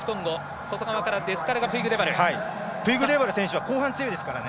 プイグデバル選手は後半強いですからね。